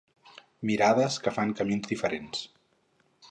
Mirades que fan camins diferents.